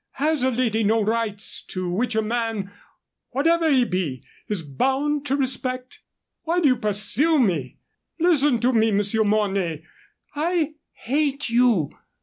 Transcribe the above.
Has a lady no rights which a man, whatever he be, is bound to respect? Why do you pursue me? Listen to me, Monsieur Mornay. I hate you!